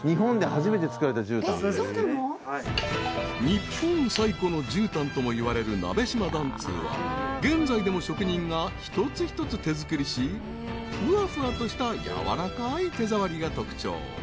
［日本最古のじゅうたんともいわれる鍋島緞通は現在でも職人が一つ一つ手作りしふわふわとした柔らかい手触りが特徴］